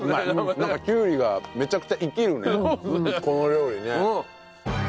なんかきゅうりがめちゃくちゃ生きるねこの料理ね。